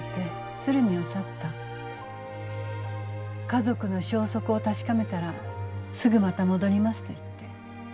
「家族の消息を確かめたらすぐまた戻ります」と言って。